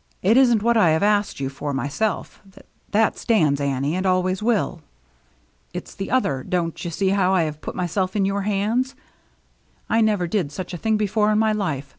" It isn't what I have asked you for myself; that stands, Annie, and always will. 1 86 THE MERRT ANNE It's the other. Don't you see how I have put myself in your hands? I never did such a thing before in my life.